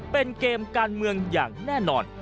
เป็นเกมการเมืองอย่างแน่นอน